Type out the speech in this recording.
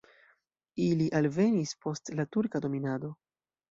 Ili alvenis post la turka dominado.